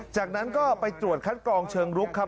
จากนั้นก็ไปตรวจคัดกรองเชิงลุกครับ